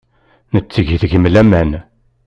Netteg deg-m laman.